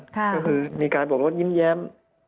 ก็คือมีการโบกรถฮิ้มแย้ม